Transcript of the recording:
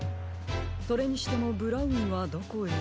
それにしてもブラウンはどこへ？